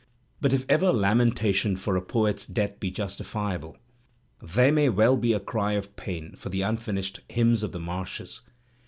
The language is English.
But if ever lamentation for a poet's death be justifiable, there may well be a cry of pain for the unfinished "Hymns of the Marshes."